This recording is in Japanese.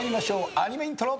アニメイントロ。